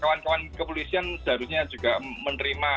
kawan kawan kepolisian seharusnya juga menerima